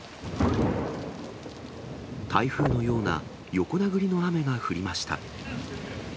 台風のような横殴りの雨が降りました。